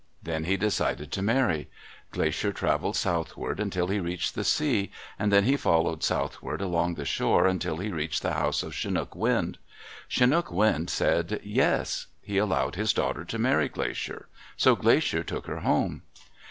Then he decided to marry. Glacier traveled southward until he reached the sea, and then he followed southward along the shore until he reached the house of Chinook Wind. Chinook Wind said, "Yes!" He allowed his daughter to marry Glacier. So Glacier took her home.